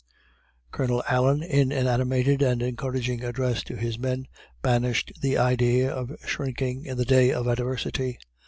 Colonel Allen, in an animated and encouraging address to his men, banished the idea of shrinking in the day of adversity.